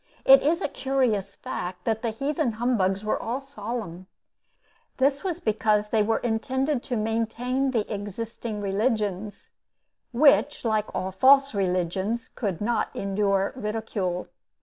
It is a curious fact that the heathen humbugs were all solemn. This was because they were intended to maintain the existing religions, which, like all false religions, could not endure ridicule.